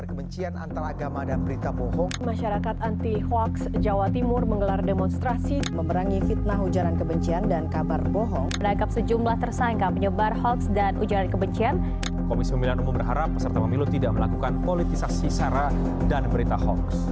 komisi pemilihan umum berharap peserta pemilu tidak melakukan politisasi sara dan berita hoax